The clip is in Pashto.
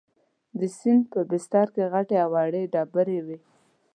د سیند په بستر کې غټې او وړې ډبرې وې.